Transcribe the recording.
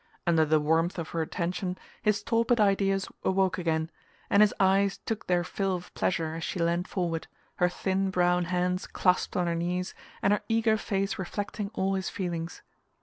Under the warmth of her attention his torpid ideas awoke again, and his eyes took their fill of pleasure as she leaned forward, her thin brown hands clasped on her knees and her eager face reflecting all his feelings.